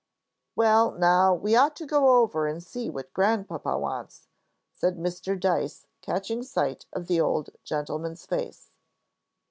"Well, now we ought to go over and see what Grandpapa wants," said Mr. Dyce, catching sight of the old gentleman's face.